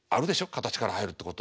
形から入るってこと。